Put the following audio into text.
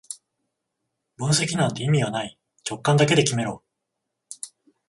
分析なんて意味はない、直感だけで決めろ